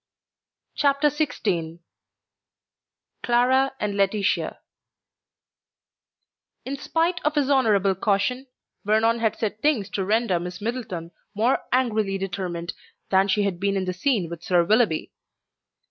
CHAPTER XVI CLARA AND LAETITIA In spite of his honourable caution, Vernon had said things to render Miss Middleton more angrily determined than she had been in the scene with Sir Willoughby.